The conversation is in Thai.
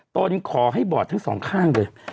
ตอนนี้ขอให้บอดทั้ง๒ข้างเลย